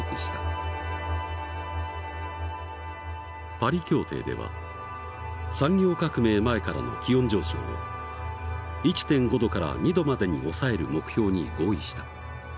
パリ協定では産業革命前からの気温上昇を１．５℃から２℃までに抑える目標に合意した。